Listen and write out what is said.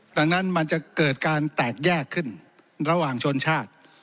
ดังนั้นมันจะเกิดการแตกแยกขึ้นระหว่างชนชาติ